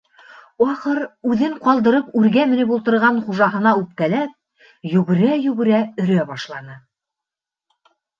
Ахыр, үҙен ҡалдырып, үргә менеп ултырған хужаһына үпкәләп, йүгерә-йүгерә өрә башланы.